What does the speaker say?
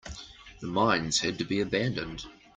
The mines had to be abandoned.